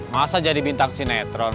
masa jadi bintang sinetron